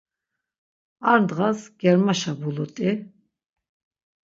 Ar ndğas germaşa bulut̆i.